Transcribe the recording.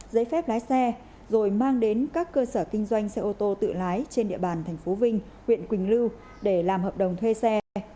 giấy phép lái xe rồi mang đến các cơ sở kinh doanh xe ô tô tự lái trên địa bàn tp vinh huyện quỳnh lưu để làm hợp đồng thuê xe